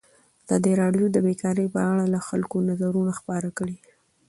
ازادي راډیو د بیکاري په اړه د خلکو نظرونه خپاره کړي.